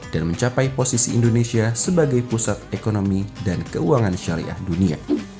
dan mencapai posisi indonesia sebagai pusat ekonomi dan keuangan syariah dunia